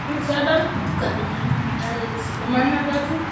Kukabiliana na hatari hizi